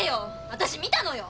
私見たのよ！